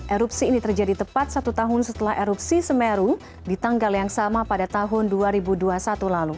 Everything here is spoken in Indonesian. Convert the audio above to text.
erupsi ini terjadi tepat satu tahun setelah erupsi semeru di tanggal yang sama pada tahun dua ribu dua puluh satu lalu